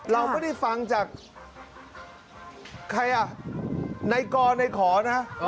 เราก็ได้ฟังจากในกรในขอนะครับ